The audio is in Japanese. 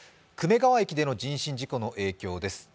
久米川駅での人身事故の影響です。